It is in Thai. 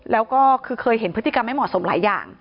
แล้วก็คือเคยเห็นพฤติกรรมไม่เหมาะสมหลายอย่าง